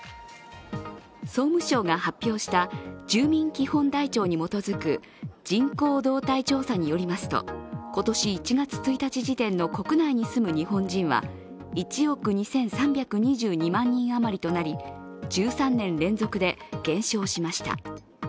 総務省が発表した住民基本台帳に基づく人口動態調査によりますと今年１月１日時点の国内に住む日本人は１億２３２２万人あまりとなり１３年連続で減少しました。